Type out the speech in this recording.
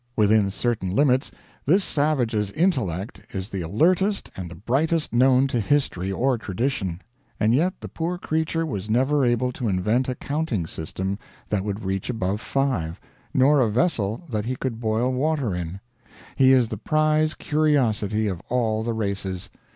Within certain limits this savage's intellect is the alertest and the brightest known to history or tradition; and yet the poor creature was never able to invent a counting system that would reach above five, nor a vessel that he could boil water in. He is the prize curiosity of all the races.